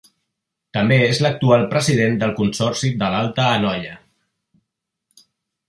També és l'actual president del Consorci de l'Alta Anoia.